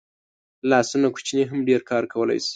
لاسونه کوچني هم ډېر کار کولی شي